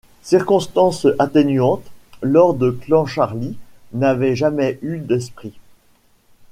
Circonstance atténuante: lord Clancharlie n’avait jamais eu d’esprit.